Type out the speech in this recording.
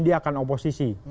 dia akan oposisi